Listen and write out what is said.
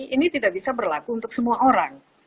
ini tidak bisa berlaku untuk semua orang